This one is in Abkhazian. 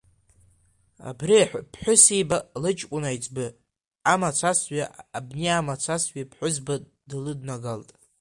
Абри аԥҳәысеиба лыҷкәын аиҵбы амацасҩы абни амацасҩы ԥҳәызба длыднагалт.